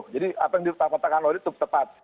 jadi apa yang dikatakan laude itu tepat